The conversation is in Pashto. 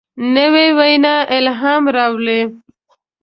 نوې وینا الهام راولي